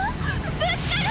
ぶつかる！